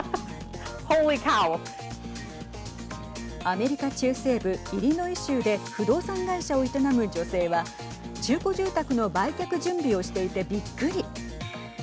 アメリカ中西部イリノイ州で不動産会社を営む女性は中古住宅の売却準備をしていてびっくり。